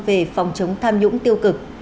về phòng chống tham nhũng tiêu cực